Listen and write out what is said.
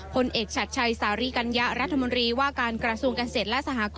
ผลเอกฉัดชัยสารี้กัณยะรัฐมนตรีว่าการกระทรวงกังเศนและสหากล